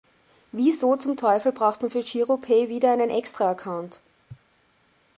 Wieso zum Teufel braucht man für Giropay wieder einen Extra-Account?